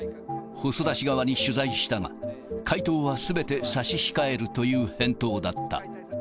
細田氏側に取材したが、回答はすべて差し控えるという返答だった。